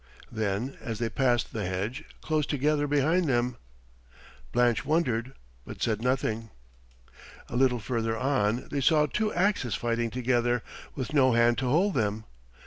Then, as they passed, the hedge closed together behind them. Blanche wondered but said nothing. A little further on they saw two axes fighting together with no hand to hold them.